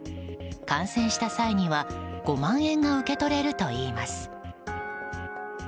感染した際には５万円が受け取れるといいます。